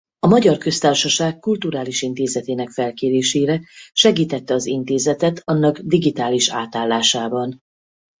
A Magyar Köztársaság Kulturális Intézetének felkérésére segítette az intézetet annak digitális átállásában.